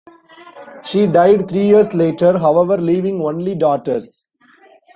She died three years later, however, leaving only daughters.